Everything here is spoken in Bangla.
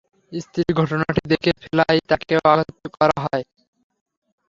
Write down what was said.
স্ত্রী ঘটনাটি দেখে ফেলায় তাঁকেও আহত করা হয়।